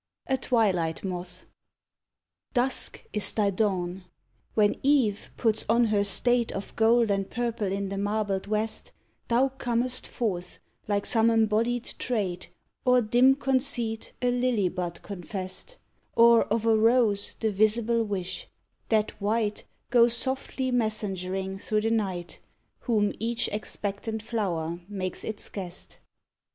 A TWILIGHT MOTH. Dusk is thy dawn; when Eve puts on her state Of gold and purple in the marbled west, Thou comest forth like some embodied trait, Or dim conceit, a lily bud confessed; Or, of a rose, the visible wish; that, white, Goes softly messengering through the night, Whom each expectant flower makes its guest.